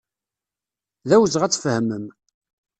D awezɣi ad tfehmem.